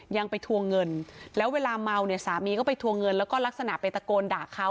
ยังไปทวงเงินแล้วเวลาเมาเนี่ยสามีก็ไปทวงเงินแล้วก็ลักษณะไปตะโกนด่าเขา